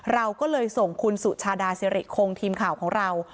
เราก็เลยส่งคุณสุชาดาสิริคงทีมข่าวของเรา